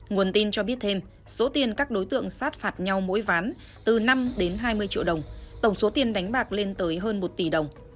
nguồn tin cho biết thêm số tiền các đối tượng sát phạt nhau mỗi ván từ năm đến hai mươi triệu đồng tổng số tiền đánh bạc lên tới hơn một tỷ đồng